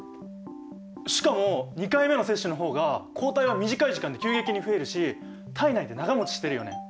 しかも２回目の接種の方が抗体は短い時間で急激に増えるし体内で長もちしてるよね。